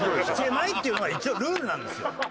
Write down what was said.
狭いっていうのが一応ルールなんですよ。